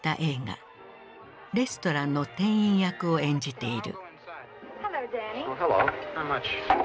レストランの店員役を演じている。